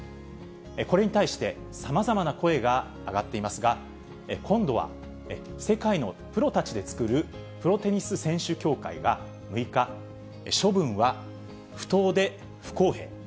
これに対してさまざまな声が上がっていますが、今度は世界のプロたちで作る、プロテニス選手協会が６日、処分は不当で不公平。